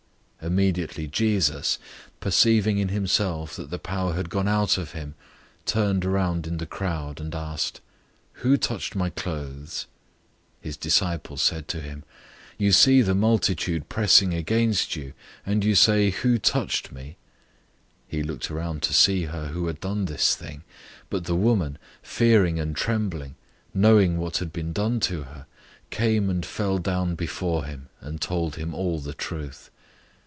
005:030 Immediately Jesus, perceiving in himself that the power had gone out from him, turned around in the crowd, and asked, "Who touched my clothes?" 005:031 His disciples said to him, "You see the multitude pressing against you, and you say, 'Who touched me?'" 005:032 He looked around to see her who had done this thing. 005:033 But the woman, fearing and trembling, knowing what had been done to her, came and fell down before him, and told him all the truth.